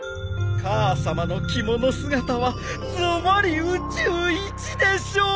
母さまの着物姿はズバリ宇宙一でしょう！